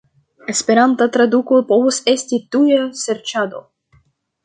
Esperanta traduko povus esti "tuja serĉado".